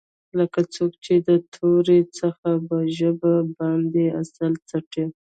لکه څوک چې د تورې څخه په ژبه باندې عسل څټي.